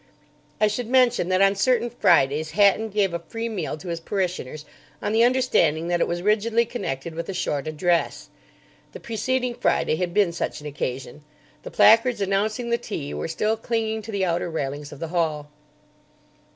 I should mention that on certain Fridays Hatton gave a free meal to his parishioners on the understanding that it was rigidly connected with a Short Address. The preceding Friday had been such an occasion. The placards announcing the tea were still clinging to the outer railings of the hall.